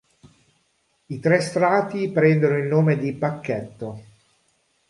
I tre strati prendono il nome di pacchetto.